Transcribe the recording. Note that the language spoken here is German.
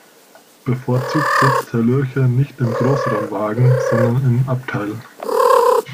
Bevorzugt sitzt Herr Lürcher nicht im Großraumwagen, sondern im Abteil.